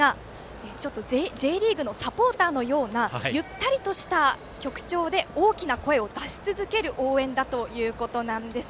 Ｊリーグのサポーターのようなゆったりとした曲調で大きな声を出し続ける応援だということです。